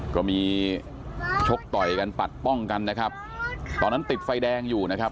ก็มีชกต่อยกันปัดป้องกันนะครับตอนนั้นติดไฟแดงอยู่นะครับ